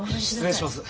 失礼します。